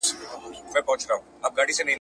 ته باید د رښتیني تاریخ په موندلو کې هڅه وکړې.